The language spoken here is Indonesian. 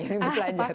yang di belajar